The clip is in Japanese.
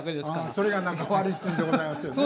それが仲悪いっていうんでございますけどね。